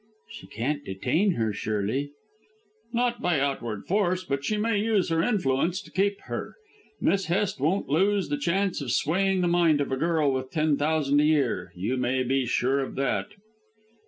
"She can't detain her, surely." "Not by outward force; but she may use her influence to keep her. Miss Hest won't lose the chance of swaying the mind of a girl with ten thousand a year. You may be sure of that."